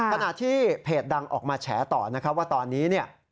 ขณะที่เพจดังออกมาแฉต่อนะครับว่าตอนนี้เนี่ย